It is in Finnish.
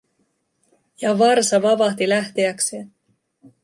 Ja varsa vavahti lähteäkseen.